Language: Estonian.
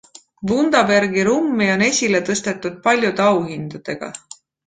Bundabergi rummi on esile tõstetud paljude auhindadega.